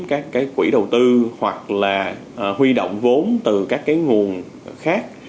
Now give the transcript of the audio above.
các quỹ đầu tư hoặc là huy động vốn từ các nguồn khác